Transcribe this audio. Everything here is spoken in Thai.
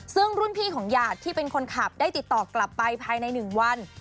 ซึ่งรุ่นพี่ของหยาดที่เป็นคนขับได้ติดต่อกลับไปภายใน๑วัน